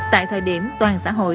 tại thời điểm toàn xã hội